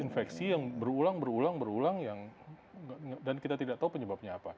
infeksi yang berulang berulang berulang yang dan kita tidak tahu penyebabnya apa